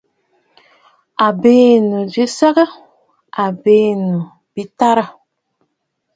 Àa bɨ̀nòò bi səgə? Àa bɨnòò bi tarə̀.